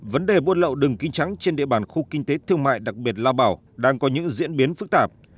vấn đề buôn lậu đường kính trắng trên địa bàn khu kinh tế thương mại đặc biệt lao bảo đang có những diễn biến phức tạp